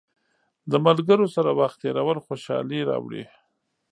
د ملګرو سره وخت تېرول خوشحالي راوړي.